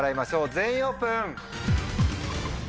全員オープン。